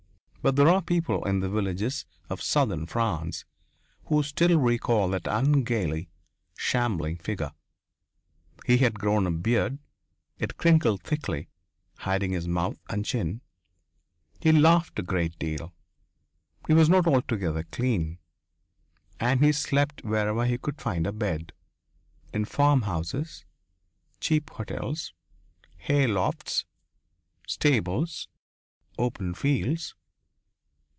But there are people in the villages of southern France who still recall that ungainly, shambling figure. He had grown a beard; it crinkled thickly, hiding his mouth and chin. He laughed a great deal. He was not altogether clean. And he slept wherever he could find a bed in farmhouses, cheap hotels, haylofts, stables, open fields.